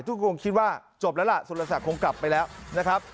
ทุกคนคิดว่าจบแล้วล่ะสุรศักดิ์คงกลับไปแล้วนะครับ